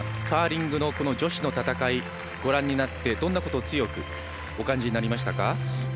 カーリングの女子の戦いご覧になって、どんなことを強くお感じになりましたか。